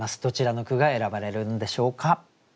どちらの句が選ばれるんでしょうか。